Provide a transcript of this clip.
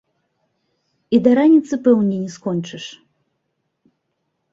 І да раніцы, пэўне, не скончыш?